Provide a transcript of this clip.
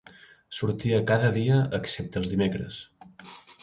Sortia cada dia excepte els dimecres.